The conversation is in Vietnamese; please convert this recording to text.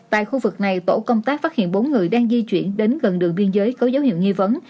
tại khu vực này tổ công tác phát hiện bốn người đang di chuyển đến gần đường biên giới có dấu hiệu nghi vấn